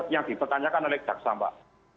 yang dipertanyakan oleh jaksa mbak